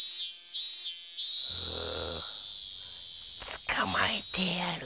つかまえてやる。